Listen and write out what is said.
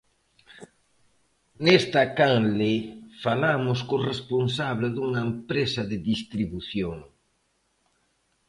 Nesta canle, falamos co responsable dunha empresa de distribución.